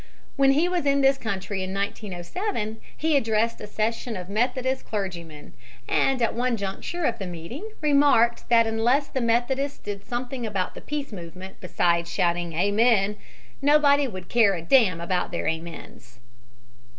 When he was in this country in 1907 he addressed a session of Methodist clergymen, and at one juncture of the meeting remarked that unless the Methodists did something about the peace movement besides shouting "amen" nobody "would care a damn about their amens!"